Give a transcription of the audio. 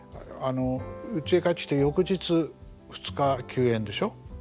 うちへ帰ってきて翌日２日休演でしょ。